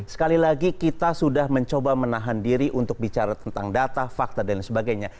sekali lagi kita sudah mencoba menahan diri untuk bicara tentang data fakta dan sebagainya